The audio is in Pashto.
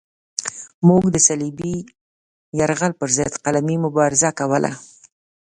موږ د صلیبي یرغل پرضد قلمي مبارزه کوله.